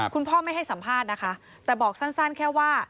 คุณพ่อไม่ให้สัมภาษณ์นะคะแต่บอกสั้นแค่ว่า